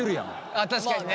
あっ確かにね。